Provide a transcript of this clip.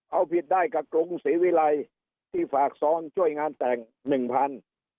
เอาผิดได้กับกรุงศรีวิรัยที่ฝากซ้อนช่วยงานแต่งหนึ่งพัน